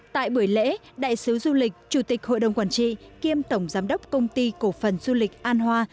tại buổi lễ đại sứ du lịch chủ tịch hội đồng quản trị kiêm tổng giám đốc công ty cổ phần du lịch an hoa